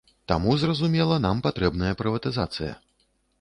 Таму, зразумела, нам патрэбная прыватызацыя.